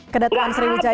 kedatuan sriwijaya ini